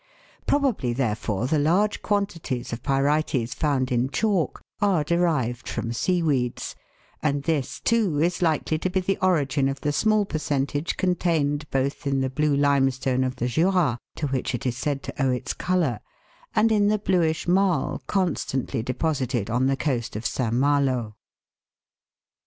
Probably, therefore, the large quantities of pyrites found in chalk are derived from seaweeds ; and this, too, is likely to be the origin of the small percentage contained both in the blue limestone of the Jura (to which it is said to owe its colour) and in the bluish marl constantly deposited on the coast of St. Malo.